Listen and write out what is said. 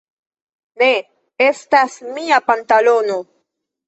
Ne! Estas mia pantalono!